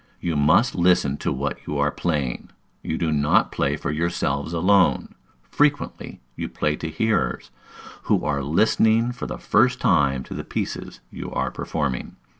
You must listen to what you are playing. You do not play for yourselves alone; frequently you play to hearers who are listening for the first time to the pieces you are performing.